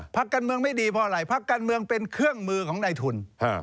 พักการเมืองไม่ดีเพราะอะไรพักการเมืองเป็นเครื่องมือของในทุน